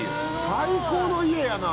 最高の家やな。